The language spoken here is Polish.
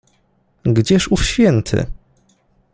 Gdzież ów święty?